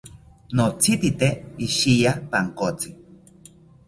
Notzitzite ishiya pankotzi